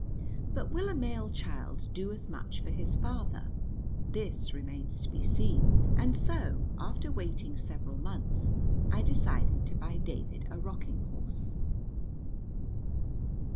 But will a male child do as much for his father? This remains to be seen, and so, after waiting several months, I decided to buy David a rocking horse.